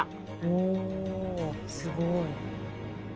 おっすごい。